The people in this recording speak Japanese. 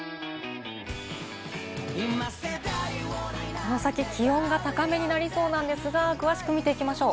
この先、気温が高めになりそうなんですが、詳しく見ていきましょう。